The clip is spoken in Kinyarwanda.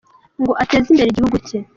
Ngo ateze imbere igihugu cye !